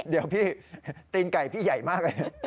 เดี๋ยวพี่ตีนไก่พี่ใหญ่มากเลย